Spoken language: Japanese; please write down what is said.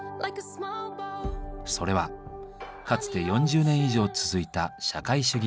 それはかつて４０年以上続いた社会主義体制。